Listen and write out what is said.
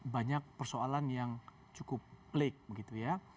banyak persoalan yang cukup lake begitu ya